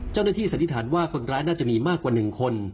เจ้าหน้าที่สันนิษฐานว่าคนร้ายน่าจะมีมากกว่าหนึ่งคน